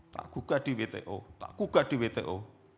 tak gugat di wto tak gugat di wto